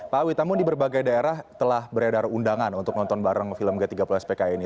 pak awi namun di berbagai daerah telah beredar undangan untuk nonton bareng film g tiga puluh spki ini